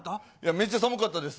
めっちゃ寒かったです。